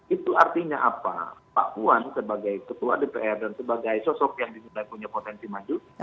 itu artinya apa pak puan sebagai ketua dpr dan sebagai sosok yang dinilai punya potensi maju